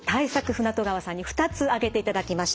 舩渡川さんに２つ挙げていただきました。